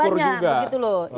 lebih banyak begitu loh